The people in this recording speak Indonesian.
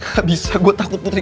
gak bisa gue takut putri